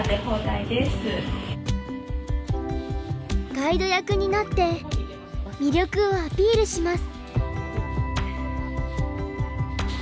ガイド役になって魅力をアピールします。